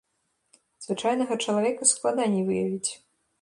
Звычайнага чалавека складаней выявіць.